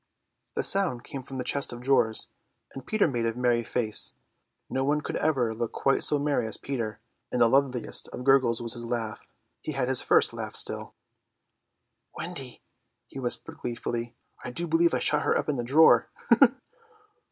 The sound came from the chest of drawers, and Peter made a merry face. No one could ever look quite so merry as Peter, and the loveliest of gurgles was his laugh. He had his first laugh still. "Wendy," he whispered gleefully, "I do believe I shut her up in the drawer!"